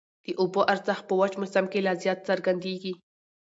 د اوبو ارزښت په وچ موسم کي لا زیات څرګندېږي.